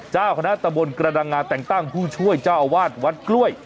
เจ้าคณะตะบนกระดังงาแต่งตั้งผู้ช่วยเจ้าอาวาสวัดกล้วย